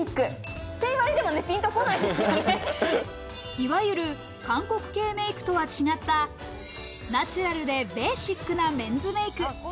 いわゆる韓国系メイクとは違った、ナチュラルでベーシックなメンズメイク。